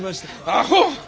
アホ！